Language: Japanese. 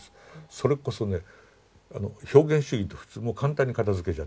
それこそね表現主義って普通もう簡単に片づけちゃって。